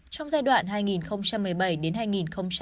trong giai đoạn hai nghìn một mươi bảy hai nghìn hai mươi hai